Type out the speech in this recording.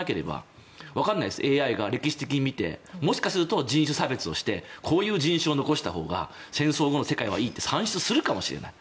ＡＩが歴史的に見てもしかすると人種差別をしてこういう人種を残したほうが戦争の世界にはいいと計算するかもしれない。